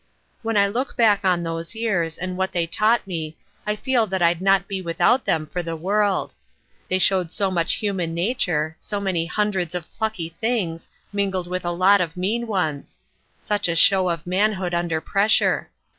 When I look back on those years and what they taught me I feel that I'd not be without them for the world. They showed so much human nature, so many hundreds of plucky things, mingled with a lot of mean ones; such a show of manhood under pressure.